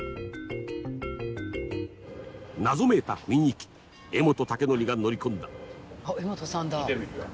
「謎めいた雰囲気江本孟紀が乗り込んだ」